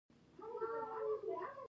دې شورا بودیزم ته نوی شکل ورکړ